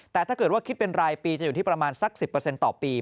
แต่ถ้าเกิดว่าคิดเป็นรายปีจะอยู่ที่ประมาณสัก๑๐ต่อปี